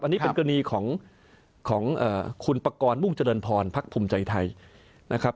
อันนี้เป็นกรณีของคุณปกรณ์มุ่งเจริญพรพักภูมิใจไทยนะครับ